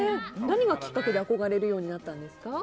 何がきっかけで憧れるようになったんですか？